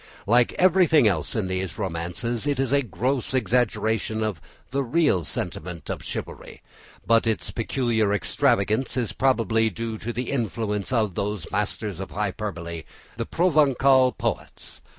Like everything else in these romances, it is a gross exaggeration of the real sentiment of chivalry, but its peculiar extravagance is probably due to the influence of those masters of hyperbole, the Provencal poets.